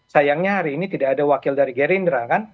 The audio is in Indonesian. sayangnya hari ini tidak ada wakil dari gerindra kan